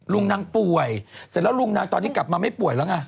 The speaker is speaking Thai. ลุงนางป่วยเสร็จแล้วลุงนางตอนนี้กลับมาไม่ป่วยแล้วไง